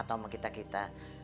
atau sama kita kita